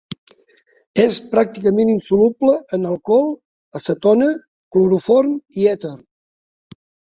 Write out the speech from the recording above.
És pràcticament insoluble en alcohol, acetona, cloroform i èter.